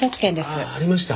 ああありました？